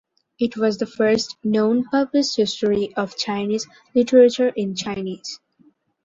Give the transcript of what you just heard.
It was the first known published history of Chinese literature in Chinese.